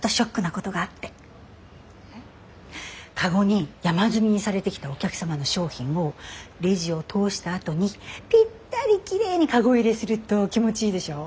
籠に山積みにされてきたお客様の商品をレジを通したあとにぴったりキレイに籠入れすると気持ちいいでしょ？